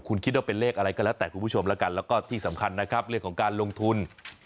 คุณคิดว่าเป็นเลขอะไรก็แล้วแต่คุณผู้ชมแล้วกันแล้วก็ที่สำคัญนะครับเรื่องของการลงทุน